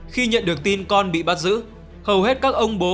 khi nhận được tin con bị bắt giữ hầu hết các ông bố